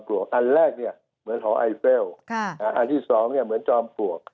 อันแรกเหมือนหอไอเฟลอันที่สองเหมือนจอมปลวก